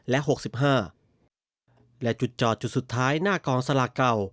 และจุดจอดจุดสุดท้ายหน้ากองสละเก่า